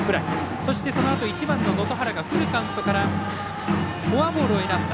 そして、そのあと１番の能登原がフルカウントからフォアボールを選んだ。